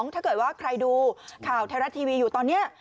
ถ้าเกิดว่าใครดูข่าวไทยรัฐทีวีอยู่ตอนนี้